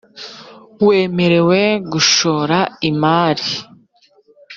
mwemerew gushora imari .